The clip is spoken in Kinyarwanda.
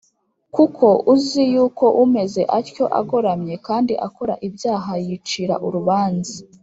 kuko uzi yuko umeze atyo agoramye kandi akora ibyaha yicira urubanza.